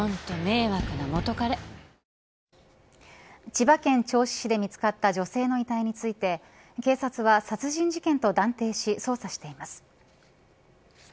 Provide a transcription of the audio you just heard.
千葉県銚子市で見つかった女性の遺体について警察は殺人事件と断定し捜査しています。